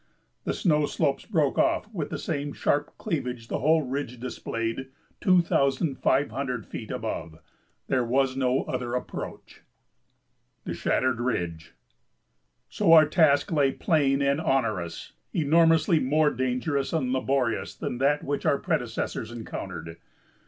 The snow slopes broke off with the same sharp cleavage the whole ridge displayed two thousand five hundred feet above; there was no other approach. [Sidenote: The Shattered Ridge] So our task lay plain and onerous, enormously more dangerous and laborious than that which our predecessors encountered.